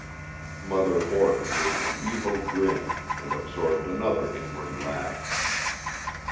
Mother Borton gave an evil grin, and absorbed another inward laugh.